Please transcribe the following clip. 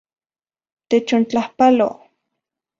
Techontlajpalo.